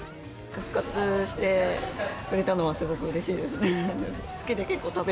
復活してくれたのはすごくうれしいですね。